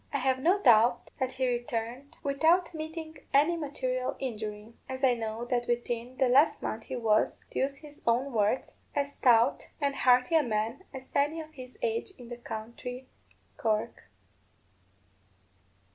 I have no doubt that he returned without meeting any material injury, as I know that within the last month he was, to use his own words, "as stout and hearty a man as any of his age in the county Cork."